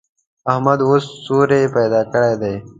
احمد اوس سوری پیدا کړی دی.